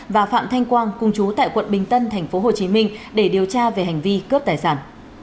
và phạm thanh quang cùng chú tại quận bình tân tp hcm để điều tra về hành vi cướp tài sản